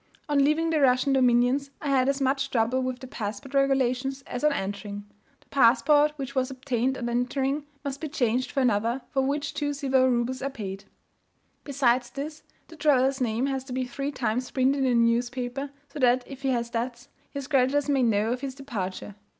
On leaving the Russian dominions I had as much trouble with the passport regulations as on entering. The passport which was obtained on entering must be changed for another for which two silver roubles are paid. Besides this, the traveller's name has to be three times printed in the newspaper, so that if he has debts, his creditors may know of his departure.